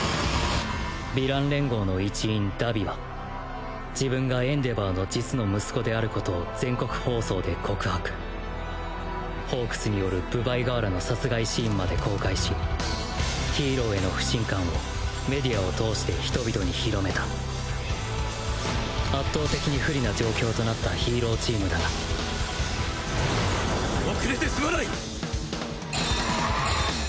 ヴィラン連合の一員荼毘は自分がエンデヴァーの実の息子であることを全国放送で告白ホークスによる分倍河原の殺害シーンまで公開しヒーローへの不信感をメディアを通して人々に広めた圧倒的に不利な状況となったヒーローチームだが遅れてすまない！